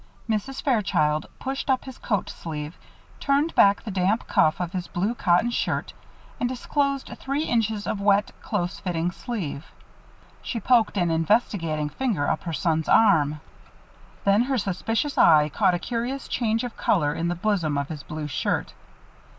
Mrs. Fairchild pushed up his coat sleeve, turned back the damp cuff of his blue cotton shirt, and disclosed three inches of wet, close fitting sleeve. She poked an investigating finger up her son's arm. Then her suspicious eye caught a curious change of color in the bosom of his blue shirt.